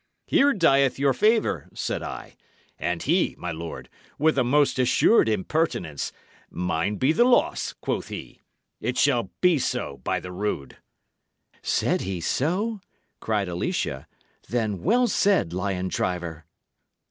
'Here dieth your favour,' said I; and he, my lord, with a most assured impertinence, 'Mine be the loss,' quoth he. It shall be so, by the rood!" "Said he so?" cried Alicia. "Then well said, lion driver!"